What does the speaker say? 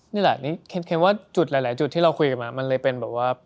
นี่แหละนี่แค่ว่าจุดหลายจุดที่เราคุยกันมามันเลยเป็นแบบว่า